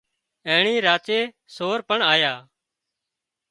اينڻي راچي سور پڻ آيا